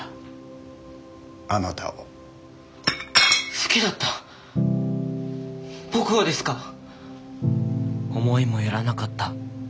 好きだった⁉僕をですか⁉思いも寄らなかった。